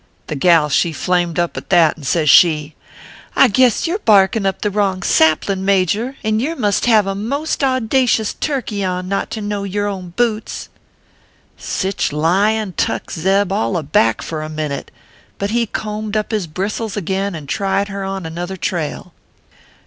"The gal she flamed up at that, and says she :" I guess you re barkin up the wrong saplin , Major, and yer must have a most audacious turkey on, not to know yer own butes. " Sich lyin tuk Zeb all aback for a minute ; but he combed up his bristles again, and tried her on another trail.